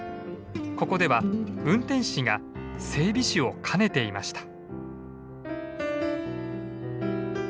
ここでは運転士が整備士を兼ねていました。